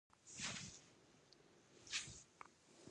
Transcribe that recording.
که هر څومره نېکي در سره وکړم؛ رنګ مې نه در ښه کېږي.